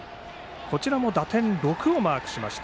こちらも打点６をマークしました。